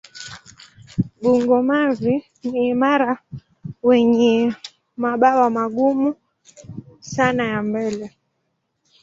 Bungo-mavi ni imara wenye mabawa magumu sana ya mbele.